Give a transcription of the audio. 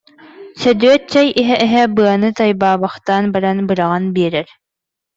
Сөдүөт чэй иһэ-иһэ быаны тайбаабахтаан баран быраҕан биэрэр